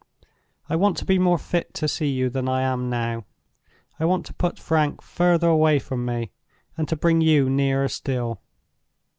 I want to be more fit to see you than I am now. I want to put Frank further away from me, and to bring you nearer still.